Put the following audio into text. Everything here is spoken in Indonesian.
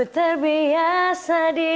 ku terbiasa disamaku